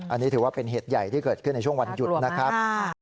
อันนี้ถือว่าเป็นเหตุใหญ่ที่เกิดขึ้นในช่วงวันหยุดนะครับ